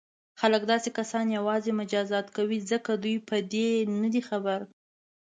خلک داسې کسان یوازې مجازات کوي ځکه دوی په دې نه دي خبر.